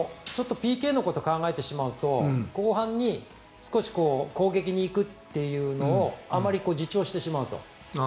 ＰＫのことを考えてしまうと後半に少し攻撃に行くというのをあまり自重してしまうと。